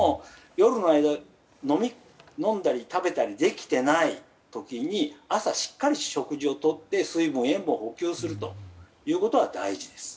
夜の間、飲んだり食べたりできてない時に朝、しっかり食事をとって水分と塩分を補給することが大事です。